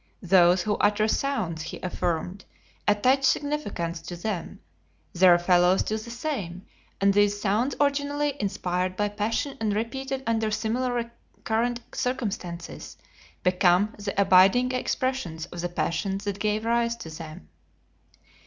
"Those who utter sounds," he affirmed, "attach significance to them; their fellows do the same, and those sounds originally inspired by passion and repeated under similar recurrent circumstances, become the abiding expressions of the passions that gave rise to them."